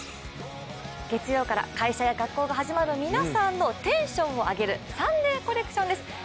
月曜から会社や学校が始まる皆さんのテンションを上げる「サンデーコレクション」です。